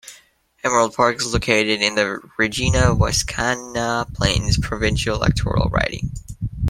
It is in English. Emerald Park is located in the Regina Wascana Plains provincial electoral riding.